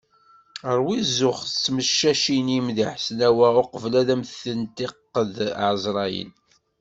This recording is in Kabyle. Rwu zzux s tmeccacin-im di Ḥesnawa uqbel ad am-tent-yeqqed ɛeẓrayen.